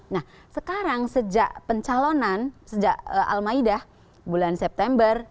nah sekarang sejak pencalonan sejak al maidah bulan september